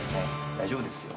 大丈夫ですよ。